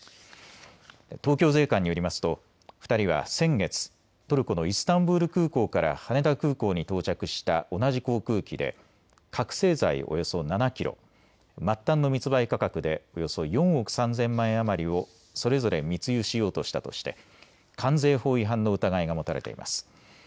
東京税関によりますと２人は先月、トルコのイスタンブール空港から羽田空港に到着した同じ航空機で覚醒剤およそ７キロ、末端の密売価格でおよそ４億３０００万円余りをそれぞれ密輸しようとしたとして関税法違反の疑いが持たれています。